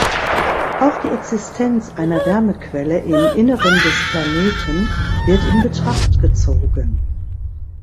Auch die Existenz einer Wärmequelle im Inneren des Planeten wird in Betracht gezogen.